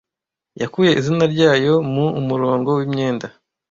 yakuye izina ryayo mu umurongo wimyenda